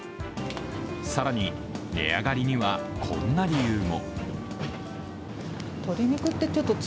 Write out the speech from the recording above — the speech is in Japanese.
更に値上がりにはこんな理由も。